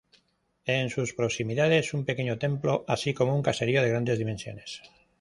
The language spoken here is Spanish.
En sus proximidades, un pequeño templo, así como un caserío de grandes dimensiones.